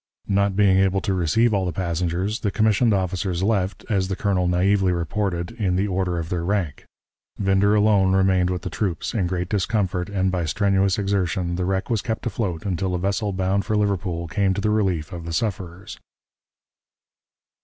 Not being able to receive all the passengers, the commissioned officers left, as the Colonel naively reported, in the order of their rank. Winder alone remained with the troops; in great discomfort and by strenuous exertion the wreck was kept afloat until a vessel bound for Liverpool came to the relief of the sufferers.